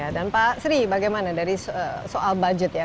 dan pak sri bagaimana dari soal budget ya